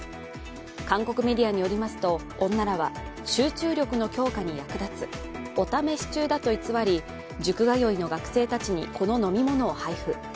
韓国メディアによりますと、女らは集中力の強化に役立つお試し中だと偽り、塾通いの学生たちにこの飲み物を配布。